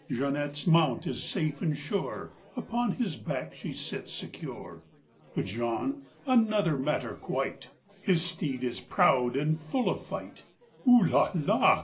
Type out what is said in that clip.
Jeanette's mount is safe and sure, Upon his back she sits secure. But Jean—another matter, quite! His steed is proud and full of fight. ''Oo la la!"